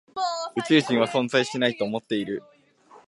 宇宙人は存在しないと思っている。